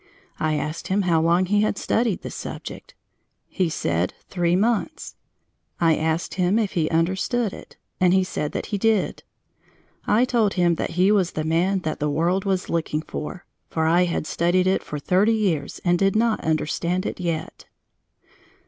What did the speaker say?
I asked him how long he had studied the subject. He said "three months." I asked him if he understood it and he said that he did. I told him that he was the man that the world was looking for; that I had studied it for thirty years and did not understand it yet.